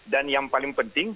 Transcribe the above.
dan yang paling penting